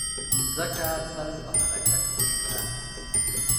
مځکه تل په حرکت کې ده.